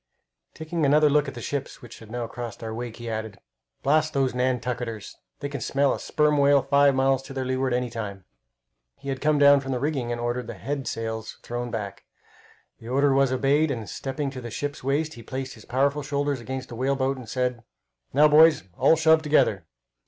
Taking another look at the ships which had now crossed our wake, he added, "Blast those Nantucketers! They can smell a sperm whale five miles to their leeward any time." He had come down from the rigging, and ordered the head sails thrown back. The order was obeyed, and stepping to the ship's waist, he placed his powerful shoulders against the whale boat, and said: "Now, boys, all shove together!"